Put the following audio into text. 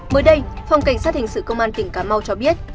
mới đây phòng cảnh sát hình sự công an tỉnh cà mau cho biết